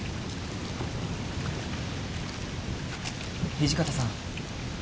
土方さん。